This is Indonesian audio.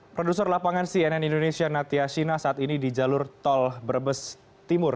produser lapangan cnn indonesia natia shina saat ini di jalur tol brebes timur